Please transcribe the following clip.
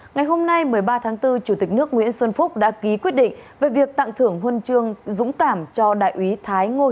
ngày hôm nay một mươi ba tháng bốn chủ tịch nước nguyễn xuân phúc đã ký quyết định về việc tặng thưởng huân chương dũng cảm cho đại úy thái ngô